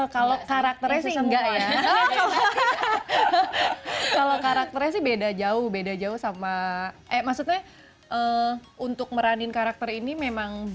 kalau karakternya sih beda jauh beda jauh sama eh maksudnya untuk meranin karakter ini memang